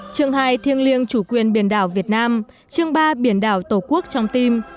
trường hai thiêng liêng chủ quyền biển đảo việt nam trường ba biển đảo tổ quốc trong tim